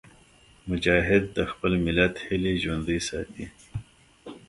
مجاهد د خپل ملت هیلې ژوندي ساتي.